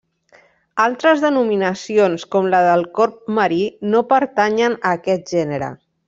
Altres denominacions com la del corb marí no pertanyen a aquest gènere.